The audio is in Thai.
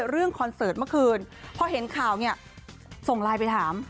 คอนเสิร์ตเมื่อคืนพอเห็นข่าวเนี่ยส่งไลน์ไปถาม